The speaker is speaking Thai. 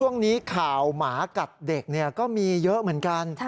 ช่วงนี้ข่าวหมากัดเด็กก็มีเยอะเหมือนกัน